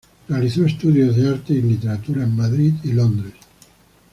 Realizó estudios de arte y literatura en Madrid y Londres.